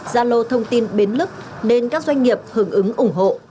ra lô thông tin biến lức nên các doanh nghiệp hưởng ứng ủng hộ